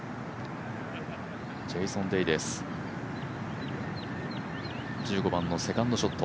ジェイソン・デイです、１５番のセカンドショット。